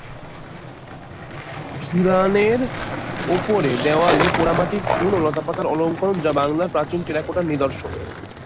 খিলানের ওপরে দেওয়ালে পোড়ামাটির ফুল ও লতাপাতার অলংকরণ যা বাংলার প্রাচীন টেরাকোটার নিদর্শন।